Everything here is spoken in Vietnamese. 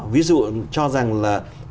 ví dụ cho rằng là